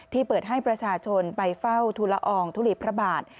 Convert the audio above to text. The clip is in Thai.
เปิดให้ประชาชนไปเฝ้าทุลอองทุลีพระบาท